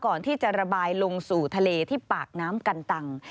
ก่อนที่จะระบายลงสู่ทะเลที่ปากน้ำกันตัง